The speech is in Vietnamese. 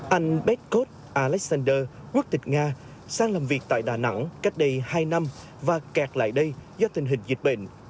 anh bết cốt alexander quốc tịch nga sang làm việc tại đà nẵng cách đây hai năm và kẹt lại đây do tình hình dịch bệnh